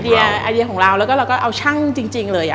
ไอเดียของเราแล้วก็เราก็เอาช่างจริงเลย